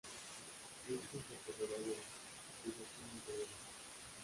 Jason se apoderó del vellocino de oro.